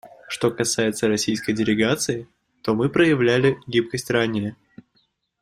Что касается российской делегации, то мы проявляли гибкость ранее.